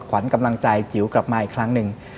ขวัญกำลังใจจิ๋วกลับมาอีกครั้งหนึ่ง